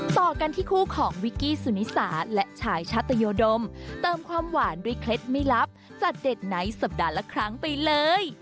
ต่อกันที่คู่ของวิกกี้สุนิสาและชายชาตยดมเติมความหวานด้วยเคล็ดไม่ลับจัดเด็ดในสัปดาห์ละครั้งไปเลย